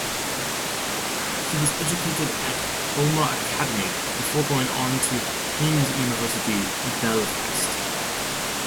He was educated at Omagh Academy before going on to Queen's University, Belfast.